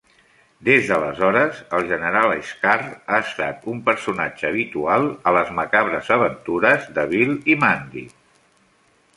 Des d'aleshores, el General Skarr ha estat un personatge habitual a "Les macabres aventures de Bill i Mandy".